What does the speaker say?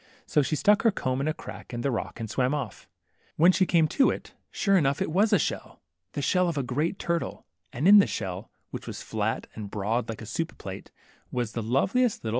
So she stuck her comb in a crack in the rock, and swam off. When she came to it, sure enough it was a shell, the shell of a great turtle ; and in the shell, which was flat and broad like a soup plate, was the loveliest little I * ■f I ^}'^